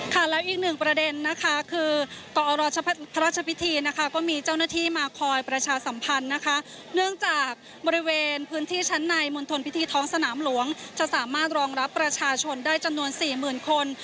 แล้วอีกหนึ่งประเด็นนะคะคือกรพระราชพิธีนะคะก็มีเจ้าหน้าที่มาคอยประชาสัมพันธ์นะคะเนื่องจากบริเวณพื้นที่ชั้นในมณฑลพิธีท้องสนามหลวงจะสามารถรองรับประชาชนได้จำนวนสี่หมื่นคน